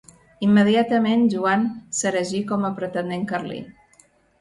Immediatament Joan s'erigí com a pretendent carlí.